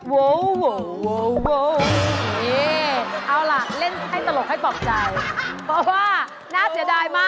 ทั้งพี่ตั๊กและน้องแอววันนี้ต้องกลับบ้านมือเปล่าค่ะ